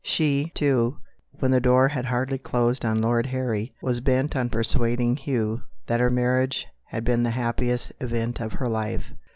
She, too, when the door had hardly closed on Lord Harry, was bent on persuading Hugh that her marriage had been the happiest event of her life.